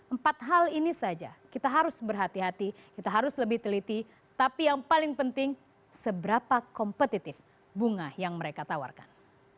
empat hal ini saja kita harus berhati hati kita harus lebih teliti tapi yang paling penting seberapa kompetitif bunga yang mereka tawarkan